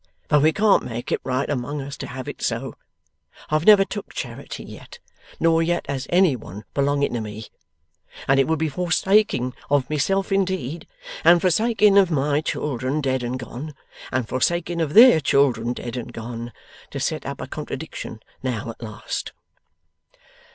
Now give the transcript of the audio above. But we can't make it right among us to have it so. I've never took charity yet, nor yet has any one belonging to me. And it would be forsaking of myself indeed, and forsaking of my children dead and gone, and forsaking of their children dead and gone, to set up a contradiction now at last.